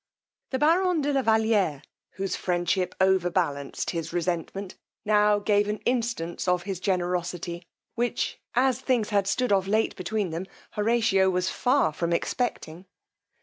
The baron de la Valiere, whose friendship over balanced his resentment, now gave an instance of his generosity, which, as things had stood of late between them, Horatio was far from expecting.